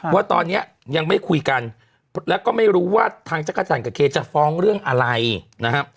ว่าตอนนี้ยังไม่คุยกันแล้วก็ไม่รู้ว่าทางจักรจันทร์กับเคจะฟ้องเรื่องอะไรนะครับ